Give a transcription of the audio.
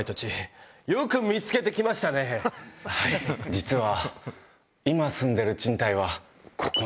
実は。